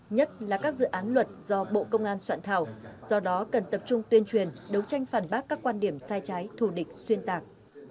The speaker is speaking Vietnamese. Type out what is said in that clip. nhất là các dự án luật do bộ công an soạn thảo do đó cần tập trung tuyên truyền đấu tranh phản bác các quan điểm sai trái thù địch xuyên tạc